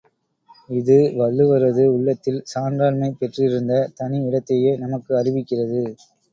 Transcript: இது வள்ளுவரது உள்ளத்தில் சான்றாண்மை பெற்றிருந்த தனி இடத்தையே நமக்கு அறிவிக்கிறது.